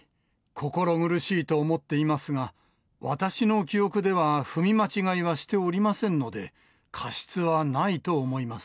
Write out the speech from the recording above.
心苦しいと思っていますが、私の記憶では踏み間違いはしておりませんので、過失はないと思います。